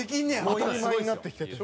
当たり前になってきてて。